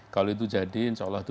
kalau itu jadi insya allah